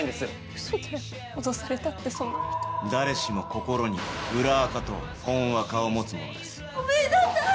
ウソだよ脅されたってそんなこと誰しも心に本アカと裏アカを持つものですごめんなさい